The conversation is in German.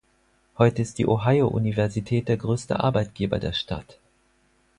Heute ist die Ohio Universität der größte Arbeitgeber der Stadt.